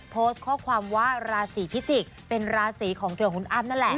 โพสต์ข้อความว่าราศีพิจิกษ์เป็นราศีของเธอของคุณอ้ำนั่นแหละ